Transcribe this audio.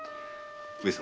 上様。